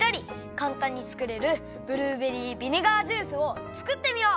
かんたんに作れるブルーベリービネガージュースを作ってみよう！